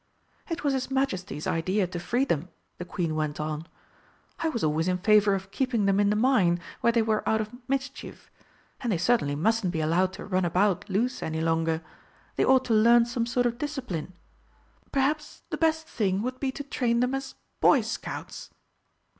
"It was his Majesty's idea to free them," the Queen went on. "I was always in favour of keeping them in the mine, where they were out of mischief. And they certainly mustn't be allowed to run about loose any longer. They ought to learn some sort of discipline. Perhaps the best thing would be to train them as Boy Scouts....